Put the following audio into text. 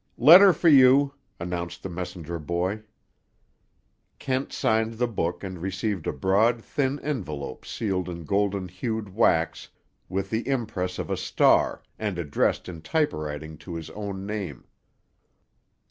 "Letter for you," announced the messenger boy. Kent signed the book and received a broad thin envelope sealed in golden hued wax with the impress of a star, and addressed in typewriting to his own name.